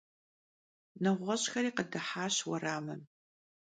Neğueş'xeri khıdıhaş vueramım.